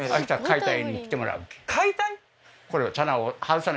解体？